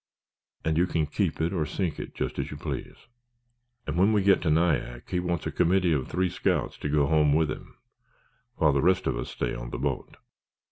And you can keep it or sink it just as you please. And when we get to Nyack he wants a committee of three scouts to go home with him while the rest of us stay on the boat.